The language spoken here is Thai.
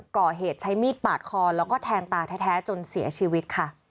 ก่อเหตุใช้มีดปาดคอแล้วก็แทงตาแท้จนเสียชีวิตค่ะ